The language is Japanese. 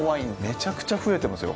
めちゃくちゃ増えてますよ